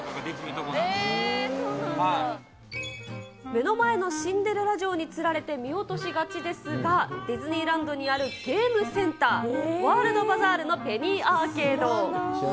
目の前のシンデレラ城につられて見落としがちですが、ディズニーランドにあるゲームセンター、ワールドバザールのペニーアーケード。